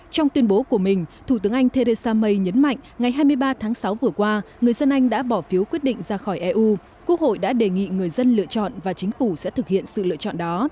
trong tuyên bố của mình thủ tướng anh theresa may nhấn mạnh ngày hai mươi ba tháng sáu vừa qua người dân anh đã bỏ phiếu quyết định ra khỏi eu quốc hội đã đề nghị người dân lựa chọn và chính phủ sẽ thực hiện sự lựa chọn đó